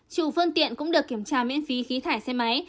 chủ phương tiện cũng được kiểm tra miễn phí khí thải xe máy